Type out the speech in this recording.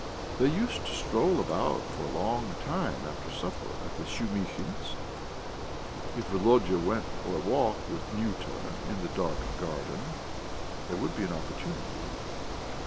They used to stroll about for a long time after supper at the Shumihins'. If Volodya went for a walk with Nyuta in the dark garden, there would be an opportunity!